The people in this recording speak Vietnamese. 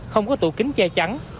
không có tủ kính che chắn